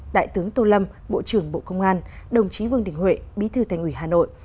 đại tướng tô lâm bộ trưởng bộ công an đồng chí vương đình huệ bí thư thành ủy hà nội